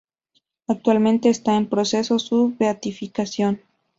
Actualmente esta en proceso su beatificación.